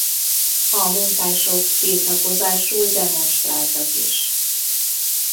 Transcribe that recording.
A munkások tiltakozásul demonstráltak is.